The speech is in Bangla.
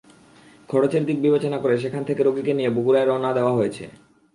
খরচের দিক বিবেচনা করে সেখান থেকে রোগীকে নিয়ে বগুড়ায় রওনা দেওয়া হয়েছে।